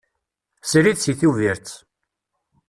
Srid seg Tubiret.